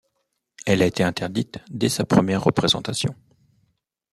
Elle a été interdite dès sa première représentation.